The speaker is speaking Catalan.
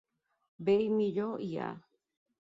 Bé i millor hi ha.